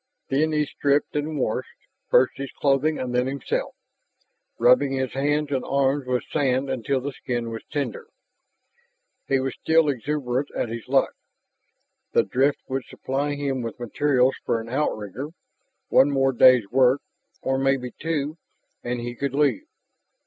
Then he stripped and washed, first his clothing and then himself, rubbing his hands and arms with sand until his skin was tender. He was still exultant at his luck. The drift would supply him with materials for an outrigger. One more day's work or maybe two and he could leave.